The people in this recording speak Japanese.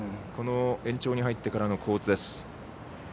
この延長に入ってからの構図です。